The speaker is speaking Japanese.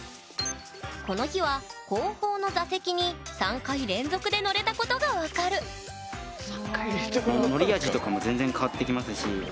この日は後方の座席に３回連続で乗れたことが分かる３回連続で乗ったんすか？